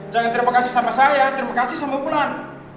jangan terima kasih sama saya terima kasih sama pulan